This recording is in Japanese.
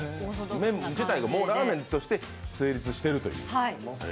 麺自体がラーメンとして成立しているという。